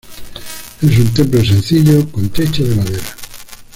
Es un templo sencillo, con techo de madera.